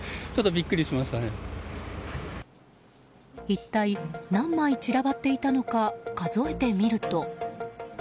一体何枚散らばっていたのか数えてみると。